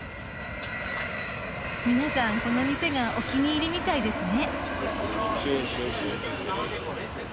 皆さんこの店がお気に入りみたいですね。